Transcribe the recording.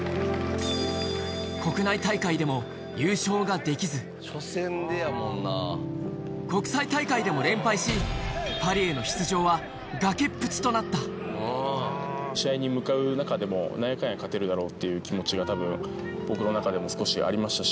国内大会でも優勝ができず国際大会でも連敗しパリへの出場は崖っぷちとなった試合に向かう中でも。っていう気持ちが多分僕の中でも少しありましたし。